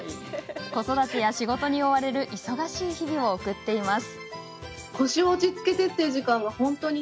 子育てや仕事に追われる忙しい日々を送っています。